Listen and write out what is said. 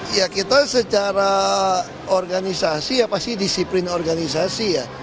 ya kita secara organisasi ya pasti disiplin organisasi ya